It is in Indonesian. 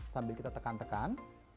sambil kita tekan tekan